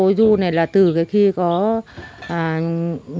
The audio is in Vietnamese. cái câu ru này là từ cái cháu này là từ cái cháu này